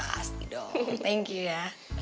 pasti dong thank you ya